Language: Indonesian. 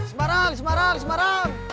semarang sembarang sembarang